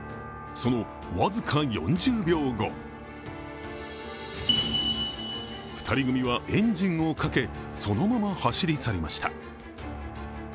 その僅か４０秒後、２人組はエンジンをかけ、そのまま走り去りました。